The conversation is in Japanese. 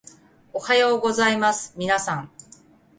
おはようございますみなさん